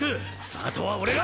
あとは俺が！